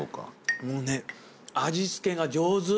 もうね味付けが上手。